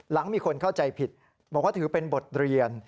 หลังมีคนเข้าใจผิดบอกว่าถือเป็นบทเรียน